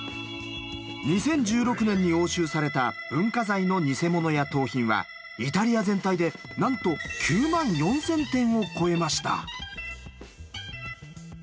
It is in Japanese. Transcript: ２０１６年に押収された文化財の偽物や盗品はイタリア全体でなんと９万４，０００点を超えました。